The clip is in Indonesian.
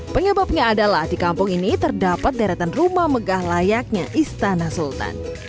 penyebabnya adalah di kampung ini terdapat deretan rumah megah layaknya istana sultan